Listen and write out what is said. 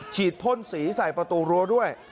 พ่นสีใส่ประตูรั้วด้วย